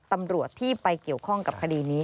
ตำรวจที่ไปเกี่ยวข้องกับคดีนี้